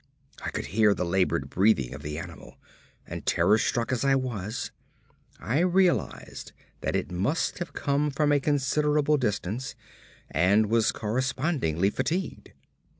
I could hear the laboured breathing of the animal, and terror struck as I was, I realised that it must have come from a considerable distance, and was correspondingly fatigued.